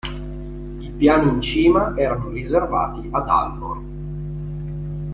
I piani in cima erano riservati a Dalmor.